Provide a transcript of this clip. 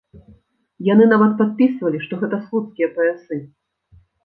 Яны нават падпісвалі, што гэта слуцкія паясы.